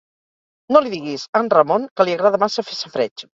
No li diguis a en Ramon, que li agrada massa fer safareig.